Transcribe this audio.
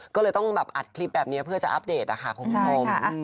ก็เลยต้องแบบอัดคลิปแบบนี้เพื่อจะอัปเดตนะคะคุณผู้ชม